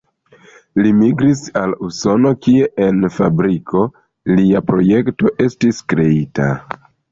Li migris al Usono, kie en fabriko lia projekto estis kreita.